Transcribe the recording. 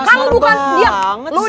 kasar banget sih